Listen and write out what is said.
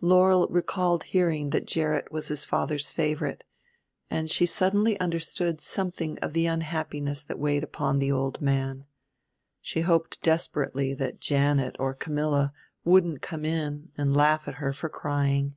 Laurel recalled hearing that Gerrit was his father's favorite, and she suddenly understood something of the unhappiness that weighed upon the old man. She hoped desperately that Janet or Camilla wouldn't come in and laugh at her for crying.